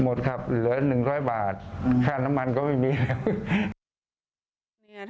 หมดครับเหลือ๑๐๐บาทค่าน้ำมันก็ไม่มีแล้ว